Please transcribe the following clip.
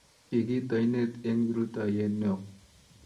kikiit oinet eng' rutoiye neoo